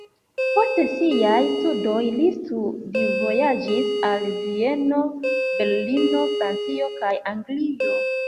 Post siaj studoj li studvojaĝis al Vieno, Berlino, Francio kaj Anglio.